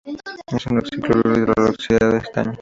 Es un oxi-cloruro hidroxilado de estaño.